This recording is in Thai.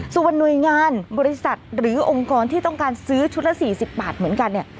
ส่วนหน่วยงานบริษัทหรือองค์กรที่ต้องการซื้อชุดละ๔๐บาทเหมือนกันเนี่ย